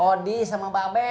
odi sama mbak be